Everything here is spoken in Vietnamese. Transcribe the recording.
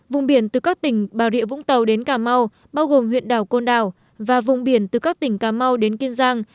vùng biển từ các tỉnh bà rịa vũng tàu đến cà mau bao gồm huyện đảo côn đảo và vùng biển từ các tỉnh cà mau đến kiên giang